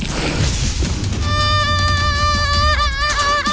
kamu kesana aku kesitu